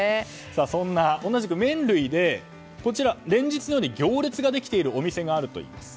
同じく麺類で連日のように行列ができているお店があるといいます。